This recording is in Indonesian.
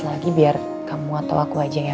lagi biar kamu atau aku aja ya